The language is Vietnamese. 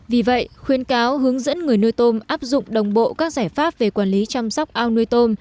vì vậy khuyên cáo hướng dẫn người nuôi tôm áp dụng đồng bộ các giải pháp về quản lý chăm sóc ao nuôi tôm